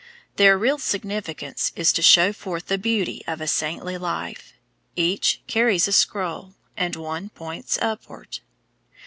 Their real significance is to show forth the beauty of a saintly life. Each carries a scroll, and one points upward.